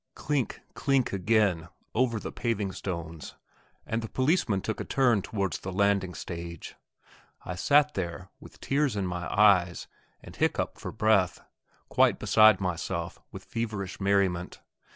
Clink, clink again over the paving stones, and the policeman took a turn towards the landing stage. I sat there, with tears in my eyes, and hiccoughed for breath, quite beside myself with feverish merriment.